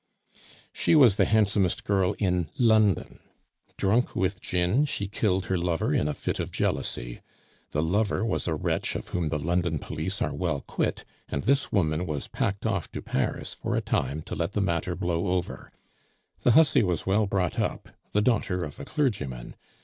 "She was the handsomest girl in London. Drunk with gin, she killed her lover in a fit of jealousy. The lover was a wretch of whom the London police are well quit, and this woman was packed off to Paris for a time to let the matter blow over. The hussy was well brought up the daughter of a clergyman.